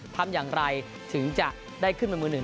ทำอย่างไรถึงจะได้ขึ้นเป็นมือหนึ่ง